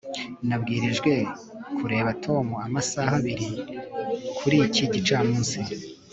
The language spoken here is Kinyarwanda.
nabwirijwe kureba tom amasaha abiri kuri iki gicamunsi